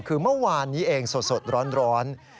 คือเมื่อวานนี้เองสดร้อน